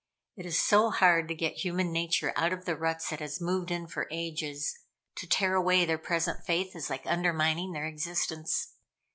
It is so hard to get human nature out of the ruts it has moved in for ages. To tear away their present faith, is like undermining their existence.